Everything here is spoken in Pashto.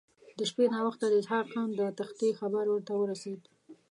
د شپې ناوخته د اسحق خان د تېښتې خبر ورته ورسېد.